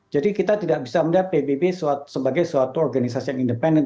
jadi kita tidak bisa melihat pbb sebagai suatu organisasi yang independen